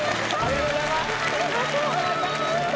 ありがとうございます。